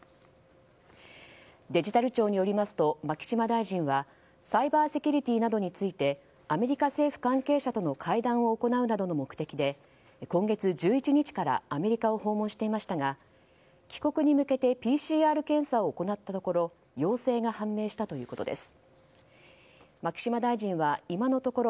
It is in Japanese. デジタル庁によりますと牧島大臣はサイバーセキュリティーなどについてアメリカ政府関係者との会談を行うなどの目的で今月１１日からアメリカを訪問していましたが帰国に向けてＰＣＲ検査を行ったところ陽性が判明したということです。